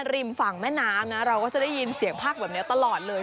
ริมฝั่งแม่น้ำนะเราก็จะได้ยินเสียงภาคแบบนี้ตลอดเลย